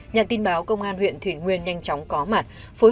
nhận tin báo công an huyện thủy nguyên nhanh chóng có mặt